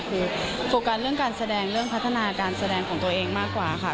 คือโฟกัสเรื่องการแสดงเรื่องพัฒนาการแสดงของตัวเองมากกว่าค่ะ